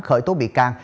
khởi tố bị can